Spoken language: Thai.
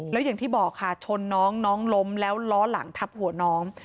แล้วอย่างที่บอกค่ะชนน้องน้องล้มแล้วล้อหลังทับหัวน้อง